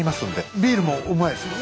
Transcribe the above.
ビールもうまいですもんね。